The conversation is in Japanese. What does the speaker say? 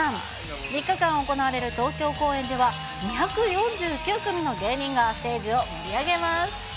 ３日間行われる東京公演では、２４９組の芸人がステージを盛り上げます。